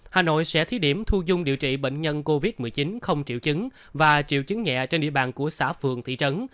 hà nội sẽ thí điểm thu dung điều trị bệnh nhân covid một mươi chín không triệu chứng và triệu chứng nhẹ trên địa bàn của xã phường thị trấn